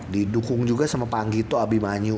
didukung juga sama panggito abimanyu